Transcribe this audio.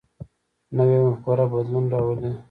نوی مفکوره بدلون راولي